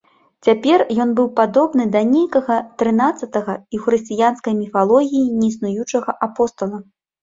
Цяпер ён быў падобны да нейкага трынаццатага і ў хрысціянскай міфалогіі неіснуючага апостала.